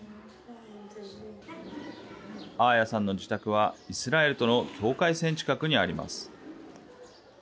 アーヤさんの自宅はイスラエルとの境界線近くにあります。